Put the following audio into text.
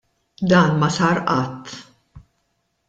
Dan ma sar qatt.